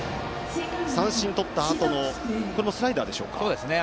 三振をとったあとのスライダーでしたね。